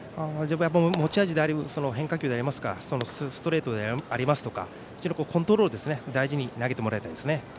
持ち味である変化球でありますとかストレートでありますとかコントロールを大事に投げてもらいたいですね。